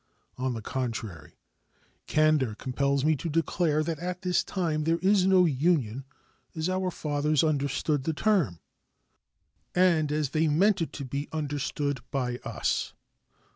On the contrary, candor compels me to declare that at this time there is no Union as our fathers understood the term, and as they meant it to be understood by us.